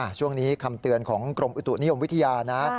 ช่วงนี้คำเตือนของกรมอุตุนิยมวิทยานะ